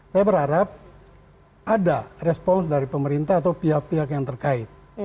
saya berharap ada respons dari pemerintah atau pihak pihak yang terkait